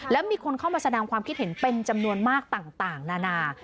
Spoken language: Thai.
แล้วมีคนเข้ามาแสดงความคิดเห็นเป็นจำนวนมากต่างนานา